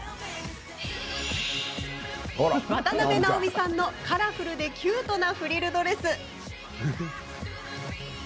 渡辺直美さんのカラフルでキュートなフリルドレス。